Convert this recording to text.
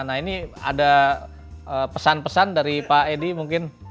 nah ini ada pesan pesan dari pak edi mungkin